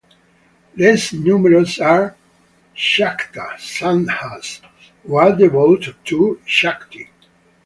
Less numerous are Shakta sadhus, who are devoted to Shakti.